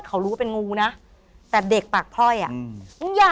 เขารู้ว่าเป็นงูนะแต่เด็กปากพล่อยอ่ะ